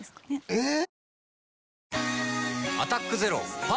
えっ？